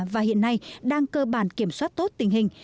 và hiện nay đang cơ bản kiểm soát tốt tình hình